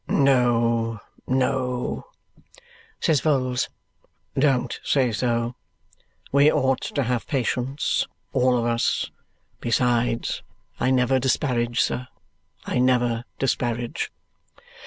"No, no," says Vholes. "Don't say so. We ought to have patience, all of us. Besides, I never disparage, sir. I never disparage."